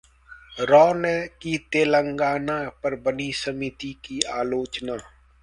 राव ने की तेलंगाना पर बनी समिति की आलोचना